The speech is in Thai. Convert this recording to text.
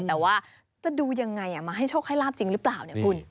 แต่ว่าจะดูยังไงมาให้โชคให้ลาบจริงหรือเปล่าเนี่ยคุณ